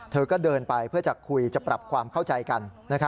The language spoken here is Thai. เธอก็เดินไปเพื่อจะคุยจะปรับความเข้าใจกัน